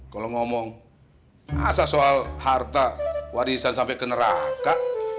kalau ngomong asal soal harta warisan sampai ke neraka